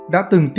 đã từng tiếp tục